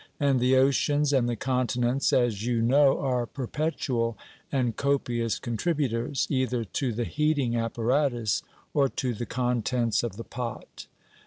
And the oceans and the continents, as you know, are perpetual and copious contributors, either to the heating apparatus or to the contents of the pot.